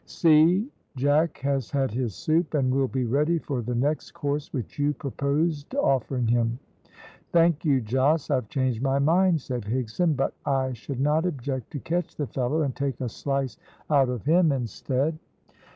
"See, Jack has had his soup, and will be ready for the next course, which you proposed offering him." "Thank you, Jos; I've changed my mind," said Higson. "But I should not object to catch the fellow, and take a slice out of him instead."